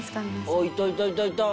あっいたいたいたいた！